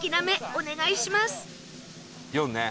お願いします。